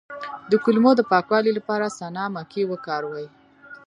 د کولمو د پاکوالي لپاره سنا مکی وکاروئ